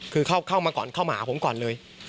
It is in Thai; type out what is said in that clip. คือเข้ามาก่อนเข้ามาหาผมก่อนเลย